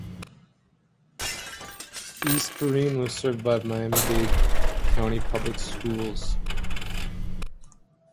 East Perrine was served by Miami-Dade County Public Schools.